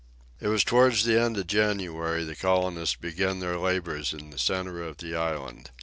It was towards the end of January the colonists began their labors in the center of the island.